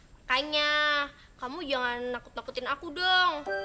makanya kamu jangan nakut nakutin aku dong